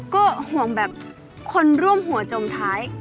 ก็ห่วงแบบคนร่วมหัวจมท้าย